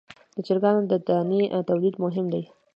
د چرګانو د دانې تولید مهم دی